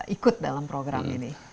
ikut dalam program ini